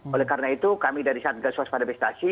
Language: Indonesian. oleh karena itu kami dari satgaswas padabestasi